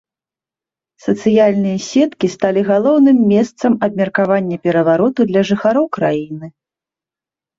Сацыяльныя сеткі сталі галоўным месца абмеркавання перавароту для жыхароў краіны.